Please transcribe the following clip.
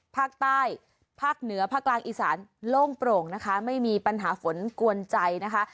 ภาคใต้ภาคเหนือภาคกลางอีสานโล่งโปร่งนะคะไม่มีปัญหาฝนกวนใจนะคะ